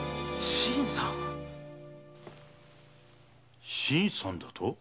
「新さん」だと？